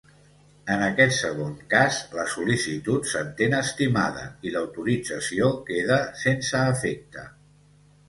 En aquest segon cas la sol·licitud s'entén estimada i l'autorització queda sense efecte.